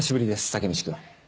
タケミチ君。